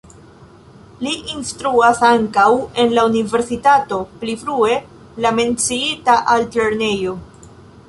Li instruas ankaŭ en la universitato (pli frue la menciita altlernejo).